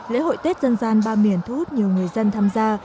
lễ hội tết dân gian ba miền thu hút nhiều người dân tham gia